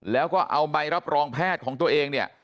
แล้วก็เอาใบรับรองแพทย์ของตัวเองเนี่ย